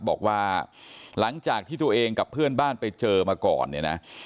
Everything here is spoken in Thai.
บอกว่าหลังจากที่ตัวเองกับเพื่อนบ้านไปเจอมาก่อนเนี่ยนะ